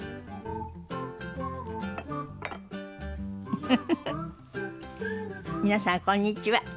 フフフフ皆さんこんにちは。